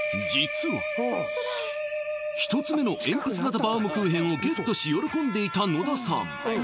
１つ目のえんぴつ型バウムクーヘンをゲットし喜んでいた野田さん